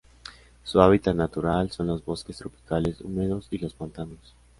Su hábitat natural son los bosques tropicales húmedos y los pantanos